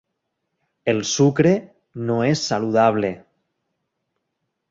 El sucre no és saludable.